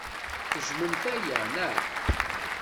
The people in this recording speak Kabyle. Tejjmemt aya, naɣ?